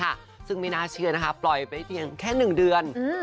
ทวายค่ะซึ่งไม่น่าเชื่อนะคะปล่อยไปเพียงแค่หนึ่งเดือนอืม